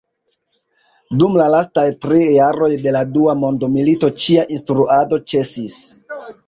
Dum la lastaj tri jaroj de la Dua mondmilito ĉia instruado ĉesis.